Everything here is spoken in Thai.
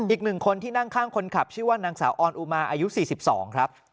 อีกหนึ่งคนที่นั่งข้างคนขับชื่อว่านางสาวออนอุมาอายุ๔๒ครับ